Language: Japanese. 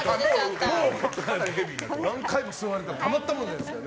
何回も吸われたらたまったものじゃないですか。